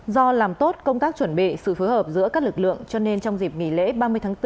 do làm tốt công tác chuẩn bị sự phối hợp giữa các lực lượng cho nên trong dịp nghỉ lễ ba mươi tháng bốn